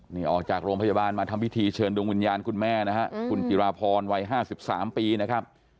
นี่ออกจากโรงพยาบาลมาทำพิธีเชิญดวงวิญญาณคุณแม่นะฮะคุณจิราพรวัย๕๓ปีนะครับ